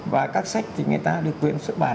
và các sách thì người ta được quyền xuất bản